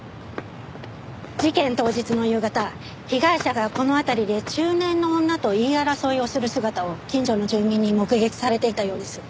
事件当日の夕方被害者がこの辺りで中年の女と言い争いをする姿を近所の住民に目撃されていたようです。